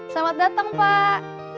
selamat datang pak